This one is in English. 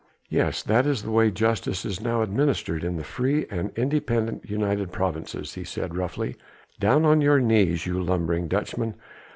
"Yes! that is the way justice is now administered in the free and independent United Provinces," he said roughly; "down on your knees, ye lumbering Dutchmen!